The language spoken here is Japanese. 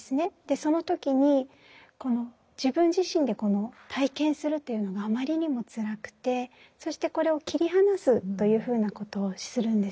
その時に自分自身で体験するというのがあまりにもつらくてそしてこれを切り離すというふうなことをするんです。